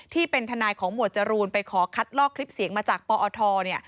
ที่เป็นทนายของหมวดจรูนไปขอคัดลอกคลิปเสียงมาจากปอท